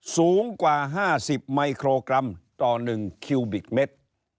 สูงกว่าห้าสิบไมโครกรัมต่อหนึ่งคิวบิกเม็ด